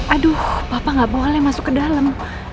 aduh papa gak boleh masuk ke dalam